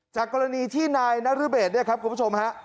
จากกรณีที่นายนรเบศเนี่ยครับคุณผู้ชมฮะ